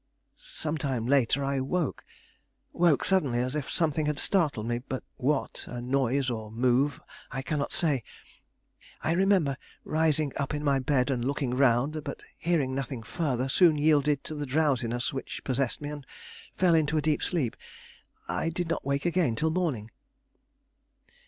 "Some time later I woke, woke suddenly, as if something had startled me, but what, a noise or move, I cannot say. I remember rising up in my bed and looking around, but hearing nothing further, soon yielded to the drowsiness which possessed me and fell into a deep sleep. I did not wake again till morning."